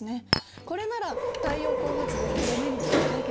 これなら太陽光発電のデメリットを解決できそうです。